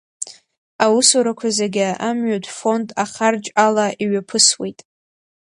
Аусурақәа зегьы Амҩатә Фонд ахарџь ала иҩаԥысуеит.